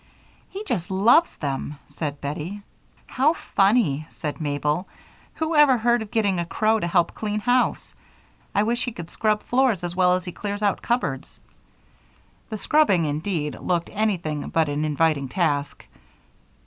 "He just loves them," said Bettie. "How funny!" said Mabel. "Who ever heard of getting a crow to help clean house? I wish he could scrub floors as well as he clears out cupboards." The scrubbing, indeed, looked anything but an inviting task.